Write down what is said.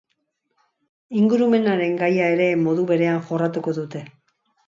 Ingurumenaren gaia ere modu berean jorratuko dute.